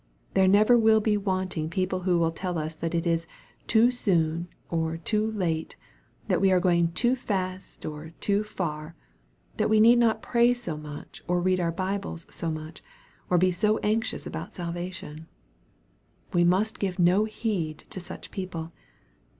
There never will be wanting people who will tell us that it is " too soon," or " too late" 'that we are going " too fast," or " too far" that we need not pray BO much, or read our Bibles so much or be so anxious about salvation. We must give no heed to such people.